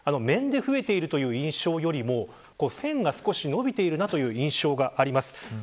面で増えているという印象より線が少し伸びているなという印象です。